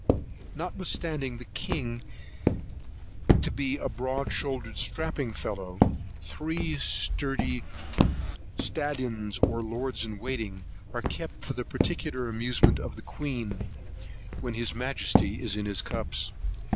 Notwithstanding the king be a broad shouldered strapping fellow, three sturdy stallions of cecisbeos, or lords in waiting, are kept for the particular amusement of the queen, when his majesty is in his cups.